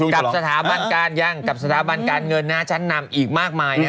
กับสถาบันการยังกับสถาบันการเงินชั้นนำอีกมากมาย